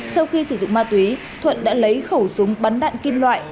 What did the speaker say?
sau khi sử dụng ma túy thuận đã lấy khẩu súng bắn đạn kim loại